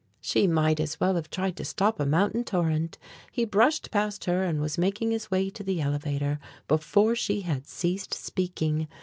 She might as well have tried to stop a mountain torrent. He brushed past her and was making his way to the elevator before she had ceased speaking.